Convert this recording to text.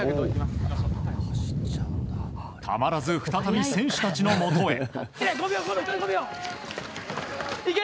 たまらず再び選手たちのもとへ。